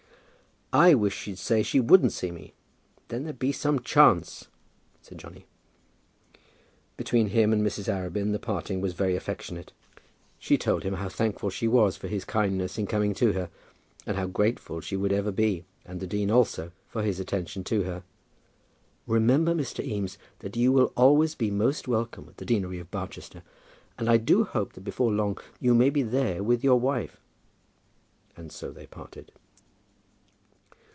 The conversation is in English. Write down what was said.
"I wish she'd say she wouldn't see me. Then there would be some chance," said Johnny. Between him and Mrs. Arabin the parting was very affectionate. She told him how thankful she was for his kindness in coming to her, and how grateful she would ever be, and the dean also, for his attention to her. "Remember, Mr. Eames, that you will always be most welcome at the deanery of Barchester. And I do hope that before long you may be there with your wife." And so they parted.